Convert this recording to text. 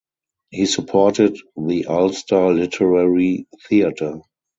He supported the Ulster Literary Theatre.